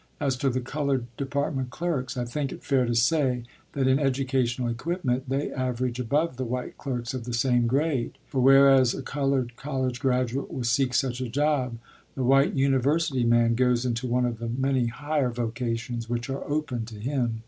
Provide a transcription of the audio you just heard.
As to the colored department clerks, I think it fair to say that in educational equipment they average above the white clerks of the same grade; for, whereas a colored college graduate will seek such a job, the white university man goes into one of the many higher vocations which are open to him.